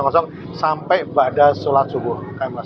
sampai pada sholat subuh